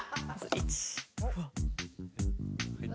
１。